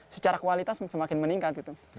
secara kualitas semakin meningkat